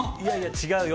違うよ。